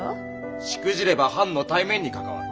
しくじれば藩の体面に関わる。